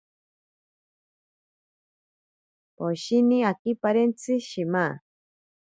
Poshini akiparentsi shima.